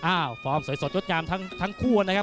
ฟอร์มสวยสดยดงามทั้งคู่นะครับ